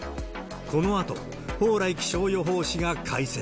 このあと蓬莱気象予報士が解説。